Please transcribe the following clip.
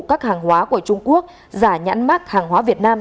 các hàng hóa của trung quốc giả nhãn mát hàng hóa việt nam